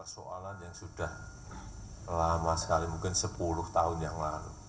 soalan yang sudah lama sekali mungkin sepuluh tahun yang lalu